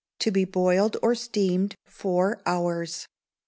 To be boiled or steamed four hours.